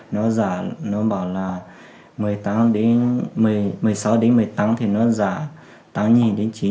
nó bảo là một mươi sáu một mươi tám thì nó giả tám chín thì giả